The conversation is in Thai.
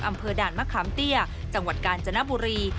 อำเภอด่านมะขามเตี้ยจังหวัดกาญจนบุรี